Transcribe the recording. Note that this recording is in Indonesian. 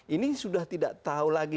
ini sudah tidak tahu lagi